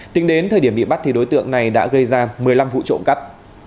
tính đến thời điểm bị bắt đối tượng này đã gây ra một mươi năm vụ trộm cắp